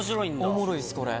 おもろいですこれ。